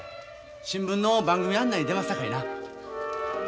新聞の番組案内に出ますさかいな。